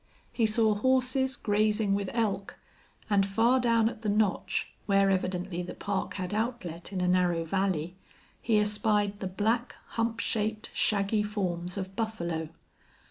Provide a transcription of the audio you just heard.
He saw horses grazing with elk, and far down at the notch, where evidently the park had outlet in a narrow valley, he espied the black, hump shaped, shaggy forms of buffalo.